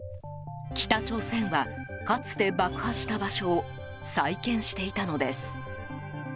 北朝鮮は、かつて爆破した場所を再建していたのです。